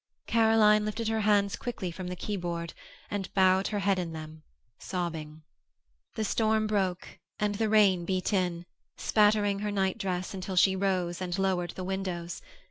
_ Caroline lifted her hands quickly from the keyboard, and she bowed her head in them, sobbing. The storm broke and the rain beat in, spattering her nightdress until she rose and lowered the windows.